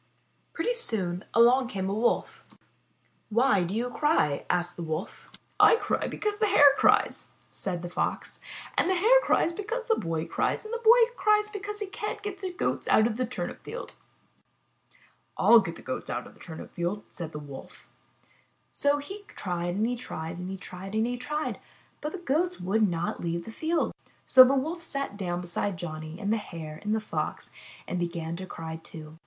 Pretty soon along came a Wolf. 'Why do you cry?'' asked the Wolf. '*I cry because the Hare cries/' said the Fox, ''and the Hare cries because the Boy cries, and the Boy cries because he can't get the Goats out of the turnip field." "/'// get the Goats out of the turnip field," said the Wolf. So he tried and he tried and he tried and he tried, but the Goats would not leave the field. So the Wolf sat down beside Johnny and the Hare and the Fox and began to cry, too.